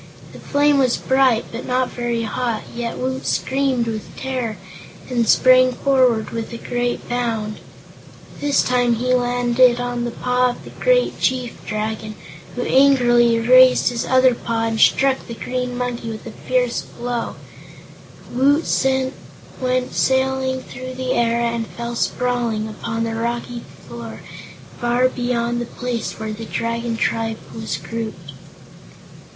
The flame was bright, but not very hot, yet Woot screamed with terror and sprang forward with a great bound. This time he landed on the paw of the great Chief Dragon, who angrily raised his other front paw and struck the Green Monkey a fierce blow. Woot went sailing through the air and fell sprawling upon the rocky floor far beyond the place where the Dragon Tribe was grouped.